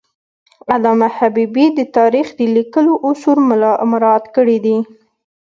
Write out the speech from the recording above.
علامه حبیبي د تاریخ د لیکلو اصول مراعات کړي دي.